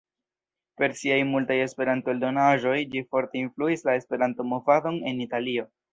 Per siaj multaj Esperanto-eldonaĵoj ĝi forte influis la Esperanto-Movadon en Italio.